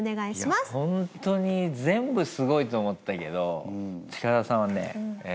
いや本当に全部すごいと思ったけどチカダさんはね